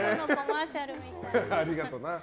ありがとな。